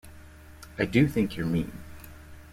I do think you’re mean.